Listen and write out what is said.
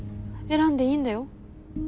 選んでいいんだよ。